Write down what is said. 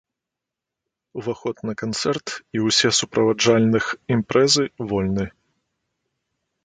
Уваход на канцэрт і ўсе суправаджальных імпрэзы вольны.